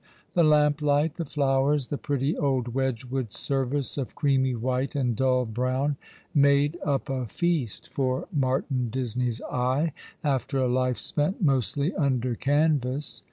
The lamplight, the flowers, the pretty old Wedgwood service of creamy white and dull brown, made up a feast for Martin Disney's eye, after a life spent mostly under canvas.